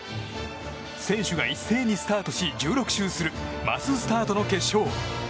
選手が一斉にスタートし１６周するマススタートの決勝。